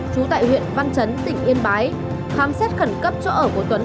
trú tại huyện văn chấn tỉnh yên bái khám xét khẩn cấp chỗ ở của tuấn